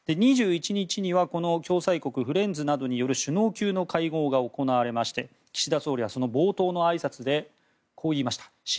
２１日にはこの共催国フレンズなどによる首脳級の会合が行われまして岸田総理はその冒頭のあいさつでこう言いました。